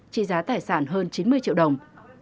trị giá tài sản hơn chín mươi triệu đồng